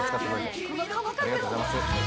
ありがとうございます。